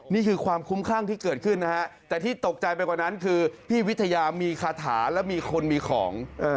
นี่คือความคุ้มคลั่งที่เกิดขึ้นนะฮะแต่ที่ตกใจไปกว่านั้นคือพี่วิทยามีคาถาแล้วมีคนมีของ